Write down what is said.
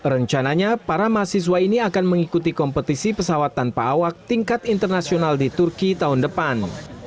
rencananya para mahasiswa ini akan mengikuti kompetisi pesawat tanpa awak tingkat internasional di turki tahun depan